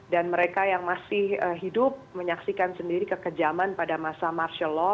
dan mereka yang masih hidup menyaksikan sendiri kekejaman pada masa martial law